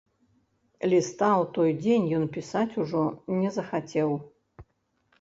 Ліста ў той дзень ён пісаць ужо не захацеў.